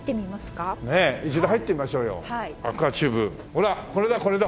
ほらこれだこれだ。